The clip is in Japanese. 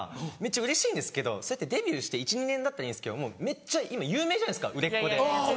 うれしいんですけどデビューして１２年だったらいいけどもうめっちゃ今有名じゃないですか売れっ子で。